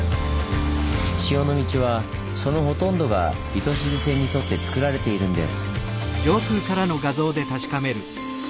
塩の道はそのほとんどが糸静線に沿ってつくられているんです。